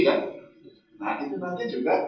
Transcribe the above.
nah itu makanya juga